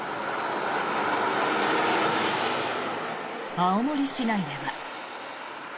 青森市内では。